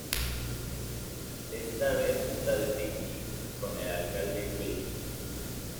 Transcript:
Esta vez está de picnic con el alcalde Wilkins.